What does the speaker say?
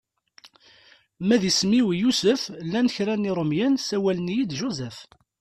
Ma d isem-iw Yusef llan kra n Yirumyen sawalen-iyi-d Joseph.